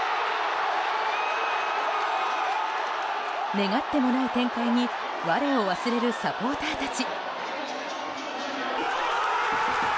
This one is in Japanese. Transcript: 願ってもない展開に我を忘れるサポーターたち。